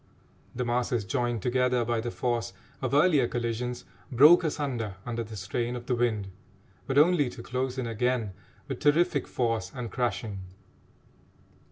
The masses joined together by the force of earlier collisions broke asunder under the strain of the wind, but only to close in again with terrific force and crashing.